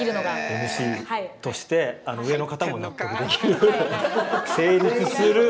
ＭＣとして上の方も納得できる成立する。